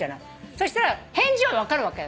そしたら返事は分かるわけ。